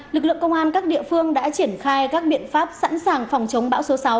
lực lượng công an các địa phương đã triển khai các biện pháp sẵn sàng phòng chống bão số sáu